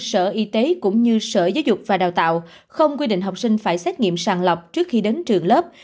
sở y tế cũng như sở giáo dục và đào tạo không quy định học sinh phải xét nghiệm sàng lọc trước khi đến trường lớp